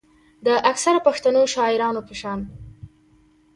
د اکثره پښتنو شاعرانو پۀ شان